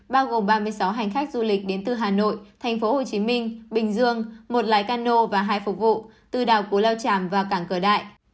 bao gồm ba mươi sáu hành khách du lịch đến từ hà nội thành phố hồ chí minh bình dương một lái cano và hai phục vụ từ đảo cú lao tràm và cảng cửa đại